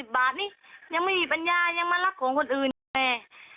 บาทนี้ยังไม่มีปัญญายังมารับของคนอื่นแต่แม่